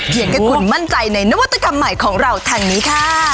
ให้คุณมั่นใจในนวัตกรรมใหม่ของเราทางนี้ค่ะ